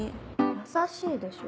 優しいでしょ。